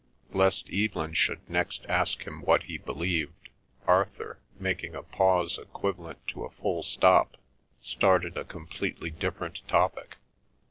Lest Evelyn should next ask him what he believed, Arthur, after making a pause equivalent to a full stop, started a completely different topic.